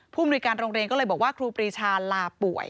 มนุยการโรงเรียนก็เลยบอกว่าครูปรีชาลาป่วย